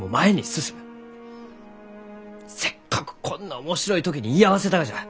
せっかくこんな面白い時に居合わせたがじゃ。